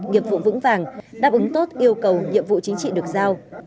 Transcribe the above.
nghiệp vụ vững vàng đáp ứng tốt yêu cầu nhiệm vụ chính trị được giao